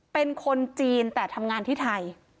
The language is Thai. เป็นคนจีนแต่ทำงานที่ไทย